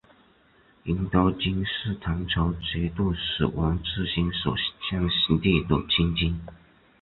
银刀军是唐朝节度使王智兴所建立的亲军。